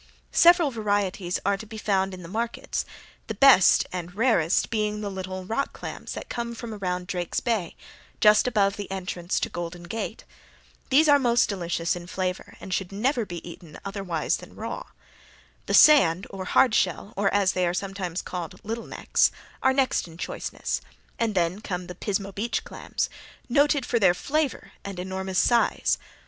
Several varieties are to be found in the markets, the best and rarest being the little rock clams that come from around Drake's Bay, just above the entrance to Golden Gate. These are most delicious in flavor and should never be eaten otherwise than raw. The sand, or hard shell, or as they are sometimes called little necks, are next in choiceness, and then come the Pismo beach clams, noted for their flavor and enormous size.